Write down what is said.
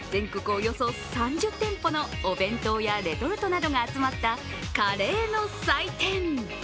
およそ３０店舗のお弁当やレトルトなどが集まったカレーの祭典。